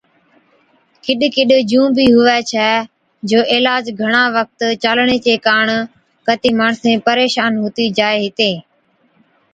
ڪِڏ ڪِڏ جُون بِي هُوَي ڇَي جو عِلاج گھڻا وقت چالڻي چي ڪاڻ ڪتِي ماڻسين پريشان هُتِي جائي هِتين،